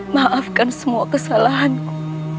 maafkan semua kesalahanku